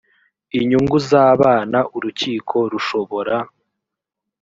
inyungu z abana urukiko rushobora